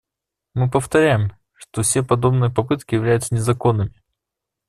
Мы повторяем, что все подобные попытки являются незаконными.